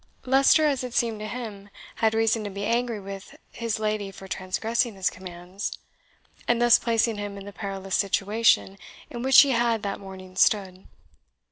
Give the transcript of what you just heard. Leicester, as it seemed to him, had reason to be angry with his lady for transgressing his commands, and thus placing him in the perilous situation in which he had that morning stood.